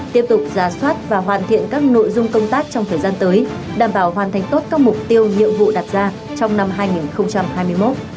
tiếp tục giả soát và hoàn thiện các nội dung công tác trong thời gian tới đảm bảo hoàn thành tốt các mục tiêu nhiệm vụ đặt ra trong năm hai nghìn hai mươi một